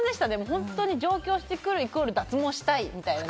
本当に上京してくるイコール脱毛したい！みたいな。